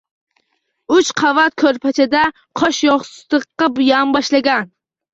Uch qavat ko‘rpachada qo‘shyostiqqa yonboshlagan